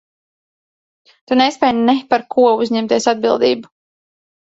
Tu nespēj ne par ko uzņemties atbildību.